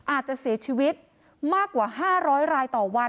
อาจจะเสียชีวิตมากกว่า๕๐๐รายต่อวัน